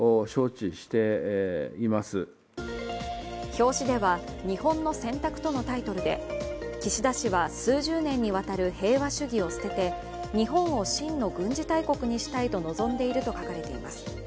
表紙では「日本の選択」とのタイトルで岸田氏は数十年にわたる平和主義を捨てて日本を真の軍事大国にしたいと望んでいると書かれています。